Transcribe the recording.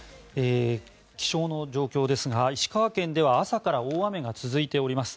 気象の状況ですが石川県では朝から大雨が続いております。